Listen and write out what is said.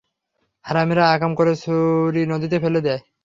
হারামিরা আকাম করে ছুরি নদীতে ফেলে দেয়।